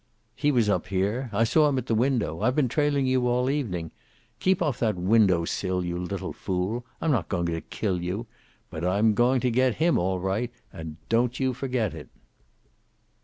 "He was up here. I saw him at the window. I've been trailing you all evening. Keep off that window sill, you little fool! I'm not going to kill you. But I'm going to get him, all right, and don't you forget it."